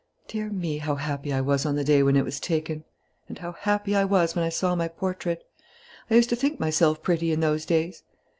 Dear me, how happy I was on the day when it was taken! And how happy I was when I saw my portrait!... I used to think myself pretty in those days....